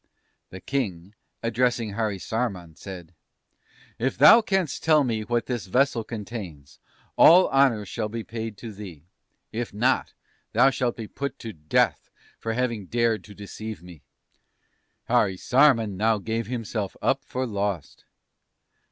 "The King, addressing Harisarman, said: "'If thou canst tell me what this vessel contains all honours shall be paid to thee, if not, thou shalt be put to death for having dared to deceive me!' "Harisarman now gave himself up for lost.